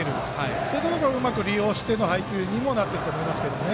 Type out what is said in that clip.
そういうところをうまく利用しての配球になってくると思います。